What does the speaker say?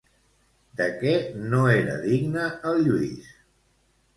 De què no era digne el Lluís?